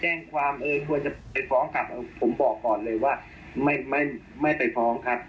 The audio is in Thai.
เออ